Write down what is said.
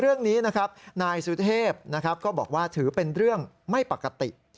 เรื่องนี้นะครับนายสุเทพนะครับก็บอกว่าถือเป็นเรื่องไม่ปกติ